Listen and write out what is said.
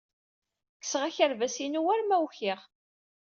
Kkseɣ akerbas-inu war ma ukiɣ.